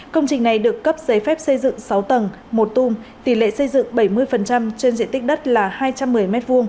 công trình này được cấp giấy phép xây dựng sáu tầng một tung tỷ lệ xây dựng bảy mươi trên diện tích đất là hai trăm một mươi m hai